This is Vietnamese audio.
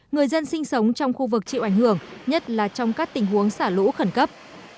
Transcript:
người dân sinh sống trong khu vực chịu ảnh hưởng nhất là trong các tình huống xả lũ khẩn cấp